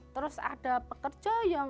terus ada pekerja yang